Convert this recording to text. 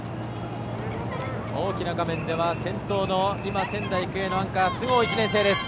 大きな画面では先頭の仙台育英のアンカー須郷、１年生。